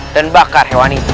buatlah api wonggun untukku